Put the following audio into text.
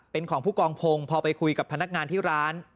เป็นของผู้กองพงศ์พอไปคุยกับพนักงานที่ร้าน